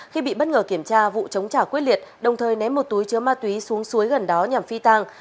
khi bị bất ngờ kiểm tra vụ chống trả quyết liệt đồng thời ném một túi chứa ma túy xuống suối gần đó nhằm phi tăng